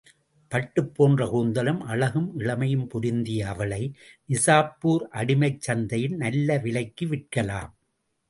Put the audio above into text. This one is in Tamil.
பட்டுப் போன்ற கூந்தலும், அழகும் இளமையும் பொருந்திய அவளை, நிசாப்பூர் அடிமைச் சந்தையில் நல்ல விலைக்கு விற்கலாம்.